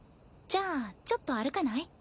じゃあちょっと歩かない？